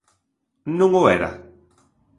¿Non o era?